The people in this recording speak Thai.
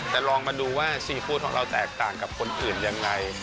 แต่ลองมาดูว่าซีฟู้ดของเราแตกต่างกับคนอื่นยังไง